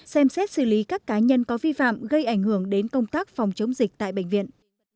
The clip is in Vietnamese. xem xét xử lý các cá nhân có vi phạm gây ảnh hưởng đến công tác phòng chống dịch tại bệnh viện